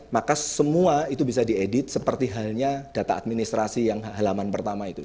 maka semua itu bisa diedit seperti halnya data administrasi yang halaman pertama itu